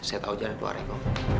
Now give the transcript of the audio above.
saya tahu jalan keluarga